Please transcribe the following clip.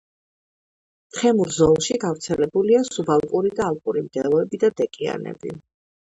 თხემურ ზოლში გავრცელებულია სუბალპური და ალპური მდელოები და დეკიანები.